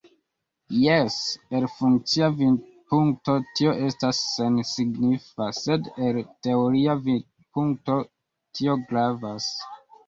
Jes, el funkcia vidpunkto tio estas sensignifa, sed el teoria vidpunkto tio gravas.